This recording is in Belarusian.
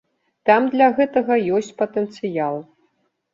Там для гэтага ёсць патэнцыял.